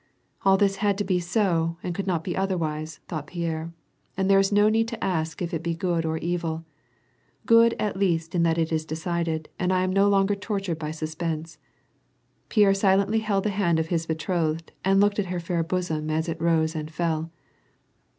" All this had to be so, and could not be otherwise," thought Pierre, "and there is no need to ask if it be good or evil. Good at least in that it is decided, and I am no longer tortured by sus|)ense." Pierre silently held the hand of his betrothed, and looked at her fair bosom as it rose and fell.